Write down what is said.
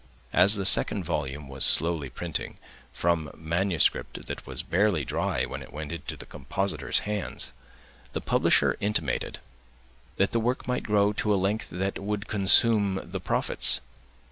As the second volume was slowly printing, from manuscript that was barely dry when it went into the compositor's hands, the publisher intimated that the work might grow to a length that would consume the profits.